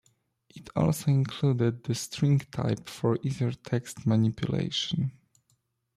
It also included the string type for easier text manipulation.